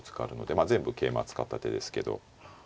まあ全部桂馬使った手ですけど。